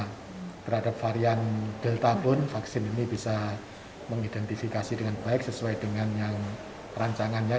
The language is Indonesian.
nah terhadap varian delta pun vaksin ini bisa mengidentifikasi dengan baik sesuai dengan yang rancangannya